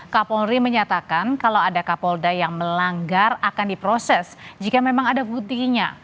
kapolri menyatakan kalau ada kapolda yang melanggar akan diproses jika memang ada buktinya